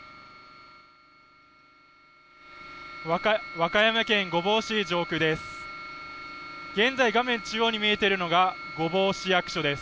和歌山県御坊市上空です。